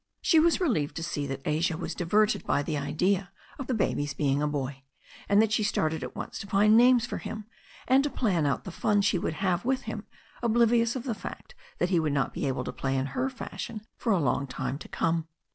She was relieved to see that Asia was di verted by the idea of the baby's being a boy, and that she started at once to find names for him, and to plan out the fun she would have with him, oblivious of the fact that he would not be able to play in her fashion for a long time to come.